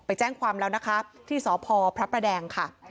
แจ้งความแล้วนะคะที่สพพระประแดงค่ะ